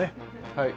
はい。